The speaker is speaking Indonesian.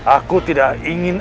aku tidak ingin